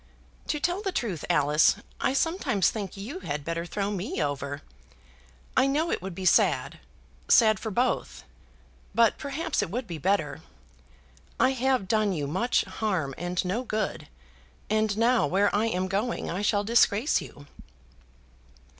"To tell the truth, Alice, I sometimes think you had better throw me over. I know it would be sad, sad for both, but perhaps it would be better. I have done you much harm and no good; and now where I am going I shall disgrace you."